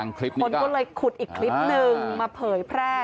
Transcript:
คนก็เลยขุดอีกคลิปนึงมาเผยแพร่